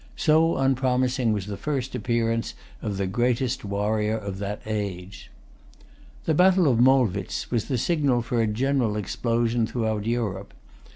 So unpromising was the first appearance of the greatest warrior of that age. The battle of Molwitz was the signal for a general explosion throughout Europe.